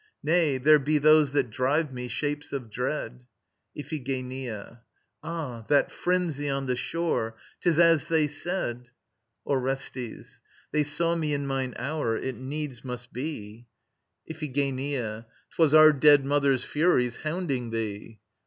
Nay: there be those that drive me, Shapes of Dread. IPHIGENIA. Ah! That frenzy on the shore! 'Tis as they said... ORESTES. They saw me in mine hour. It needs must be. IPHIGENIA. 'Twas our dead mother's Furies hounding thee!